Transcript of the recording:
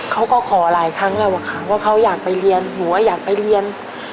เขาก็ขอหลายครั้งแล้วอะค่ะว่าเขาอยากไปเรียนหัวอยากไปเรียน